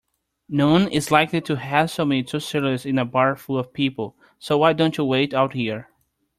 Noone is likely to hassle me too seriously in a bar full of people, so why don't you wait out here?